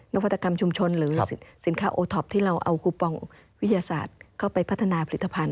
วัตกรรมชุมชนหรือสินค้าโอท็อปที่เราเอาคูปองวิทยาศาสตร์เข้าไปพัฒนาผลิตภัณฑ